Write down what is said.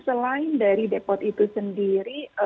selain dari depot itu sendiri